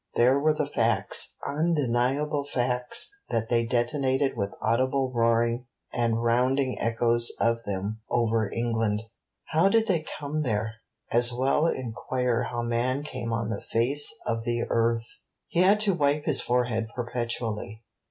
There were the facts; undeniable facts; and they detonated with audible roaring and rounding echoes of them over England. How did they come there? As well inquire how man came on the face of the earth. He had to wipe his forehead perpetually.